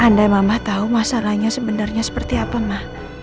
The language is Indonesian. andai mama tau masalahnya sebenarnya seperti apa ma